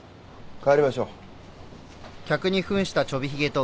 帰りましょう。